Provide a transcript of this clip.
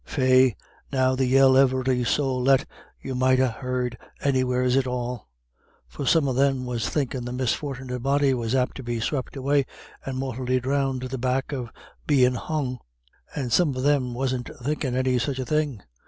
Faix, now the yell every sowl let you might ha' heard anywheres at all; for some of thim was thinkin' the misfort'nit body was apt to be swep' away and mortally dhrowned to the back of bein' hung; and some of thim wasn't thinkin' any such a thing.